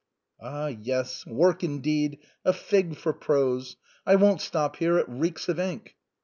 "Ah ! yes, work indeed ! A fig for prose. I won't stop here, it reeks of ink."